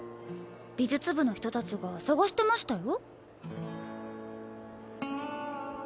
美術部の人達が捜してましたよ。